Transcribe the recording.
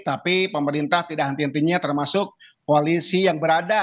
tapi pemerintah tidak henti hentinya termasuk koalisi yang berada